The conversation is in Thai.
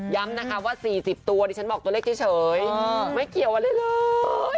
นะคะว่า๔๐ตัวดิฉันบอกตัวเลขเฉยไม่เกี่ยวอะไรเลย